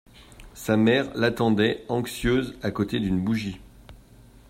Sa mère l’attendait, anxieuse, à côté d’une bougie.